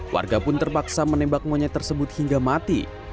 warga pun terpaksa menembak monyet tersebut hingga mati